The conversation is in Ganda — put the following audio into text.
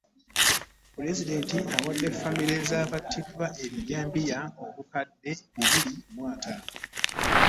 Museveni awadde ffamire z'abattiddwa ab'ebijambiya obukadde bibiri mu ataano.